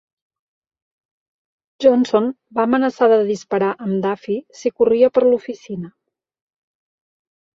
Johnson va amenaçar de disparar amb Duffy si corria per l'oficina.